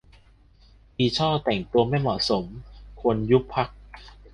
อีช่อแต่งตัวไม่เหมาะสม - ควรยุบพรรค